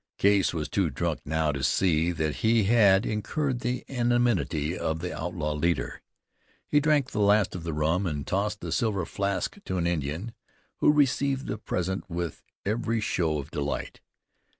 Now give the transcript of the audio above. Case was too drunk now to see that he had incurred the enmity of the outlaw leader. He drank the last of the rum, and tossed the silver flask to an Indian, who received the present with every show of delight.